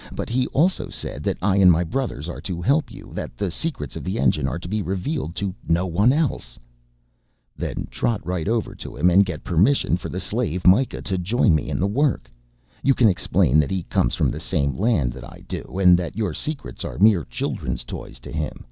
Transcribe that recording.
But he also said that I and my brothers are to help you, that the secrets of the engine are to be revealed to no one else." "Then trot right over to him and get permission for the slave Mikah to join me in the work. You can explain that he comes from the same land that I do, and that your secrets are mere children's toys to him.